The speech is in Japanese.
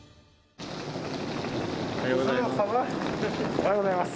おはようございます。